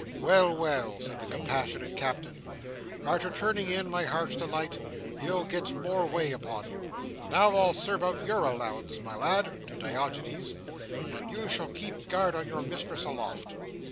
"Well, well!" said the compassionate Captain, "arter turning in, my Heart's Delight, you'll get more way upon you. Now, I'll serve out your allowance, my lad." To Diogenes. "And you shall keep guard on your mistress aloft."